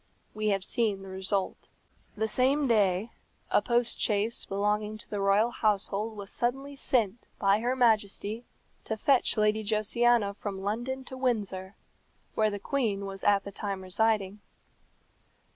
We have seen the result. The same day a post chaise belonging to the royal household was suddenly sent by her Majesty to fetch Lady Josiana from London to Windsor, where the queen was at the time residing.